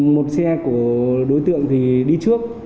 một xe của đối tượng thì đi trước